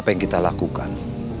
dan juga di tanda komentar